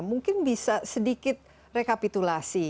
mungkin bisa sedikit rekapitulasi